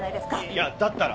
いやだったら。